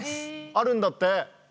あるんだって。